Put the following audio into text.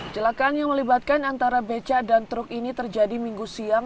jelakan yang melibatkan antara beca dan truk ini terjadi minggu siang